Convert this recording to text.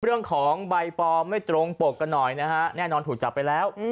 เรื่องของใบปลอมไม่ตรงปกกันหน่อยนะฮะแน่นอนถูกจับไปแล้ว